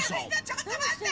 ちょっと待って！